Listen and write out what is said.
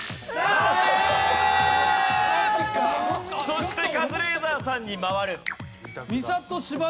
そしてカズレーザーさんに回る。